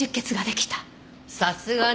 さすがね。